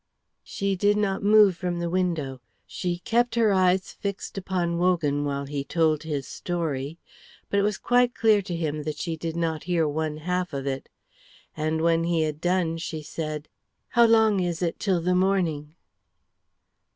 She did not move from the window, she kept her eyes fixed upon Wogan while he told his story, but it was quite clear to him that she did not hear one half of it. And when he had done she said, "How long is it till the morning?"